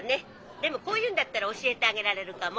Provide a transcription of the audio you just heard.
でもこういうのだったら教えてあげられるかも。